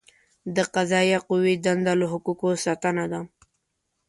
د قضائیه قوې دنده له حقوقو ساتنه ده.